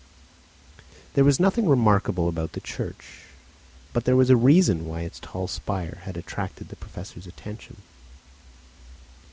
There was nothing remarkable about the church; but there was a reason why its tall spire had attracted the Professor's attention.